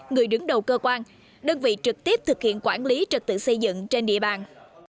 người đứng đầu cơ quan đơn vị trực tiếp thực hiện quản lý trật tự xây dựng trên địa bàn